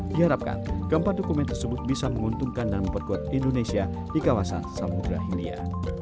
diharapkan keempat dokumen tersebut bisa menguntungkan dan memperkuat indonesia di kawasan samudera hindia